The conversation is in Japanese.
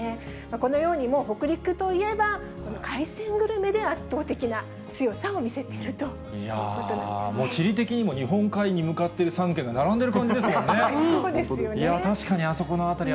このように、もう北陸といえば、この海鮮グルメで圧倒的な強さをいやぁ、もう地理的にも、日本海に向かっている３県が並んでる感じですもんね。